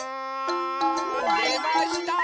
でました！